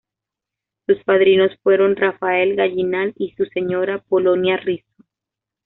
Sus padrinos fueron Rafael Gallinal y su señora, Polonia Risso.